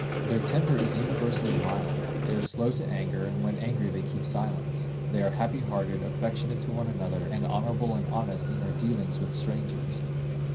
Their temper is universally mild; they are slow to anger, and when angry they keep silence. They are happy hearted, affectionate to one another, and honorable and honest in their dealings with strangers.